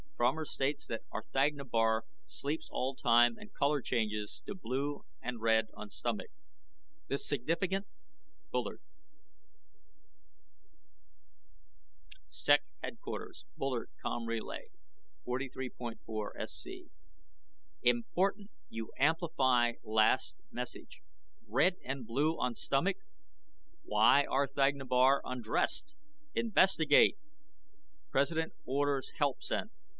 FROMER STATES THAT R'THAGNA BAR SLEEPS ALL TIME AND COLOR CHANGES TO BLUE AND RED ON STOMACH. THIS SIGNIFICANT? BULLARD SEC HDQ BULLARD, COM. RLY 43.4SC IMPORTANT YOU AMPLIFY LAST MESSAGE. RED AND BLUE ON STOMACH? WHY R'THAGNA BAR UNDRESSED? INVESTIGATE! PRESIDENT ORDERS HELP SENT.